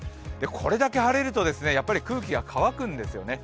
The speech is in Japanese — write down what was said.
これだけ晴れるとやっぱり空気が乾くんですよね。